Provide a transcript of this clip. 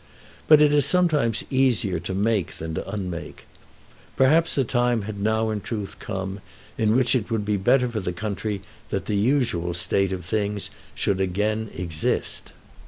But it is sometimes easier to make than to unmake. Perhaps the time had now in truth come, in which it would be better for the country that the usual state of things should again exist.